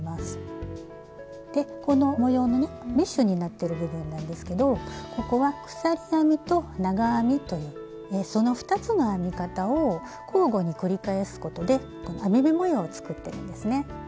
でこの模様のねメッシュになってる部分なんですけどここは鎖編みと長編みというその２つの編み方を交互に繰り返すことで網目模様を作ってるんですね。